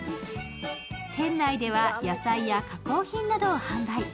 店内では野菜や加工品などを販売。